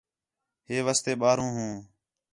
ہے واسطے ٻاہروں ہوں